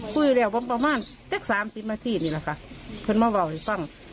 คุยแล้วประมาณสักสามสิบนาทีนี่แหละค่ะเพื่อนมาเล่าให้ฟัง